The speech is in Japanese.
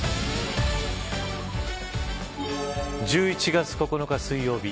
１１月９日水曜日